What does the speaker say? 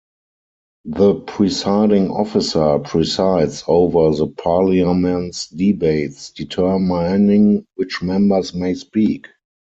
The Presiding Officer presides over the Parliament's debates, determining which members may speak.